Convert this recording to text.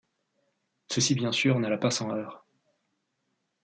Ceci bien sûr n'alla pas sans heurts.